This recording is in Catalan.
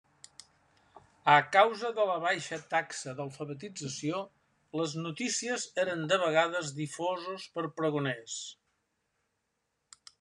A causa de la baixa taxa d'alfabetització, les notícies eren de vegades difosos per pregoners.